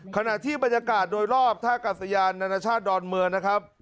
ขณะที่บรรยากาศโดยรอบท่ากัศยานนานาชาติดอนเมืองนะครับ